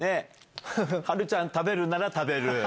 八瑠ちゃん食べるなら食べる。